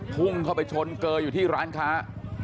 พุ่งเข้าไปชนเกยออยู่ที่ร้านค้า